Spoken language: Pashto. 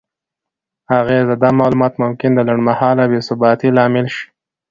اغیزه: دا معلومات ممکن د لنډمهاله بې ثباتۍ لامل شي؛